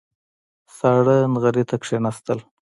ساړه نغري ته کېناستل.